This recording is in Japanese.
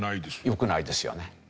良くないですよね。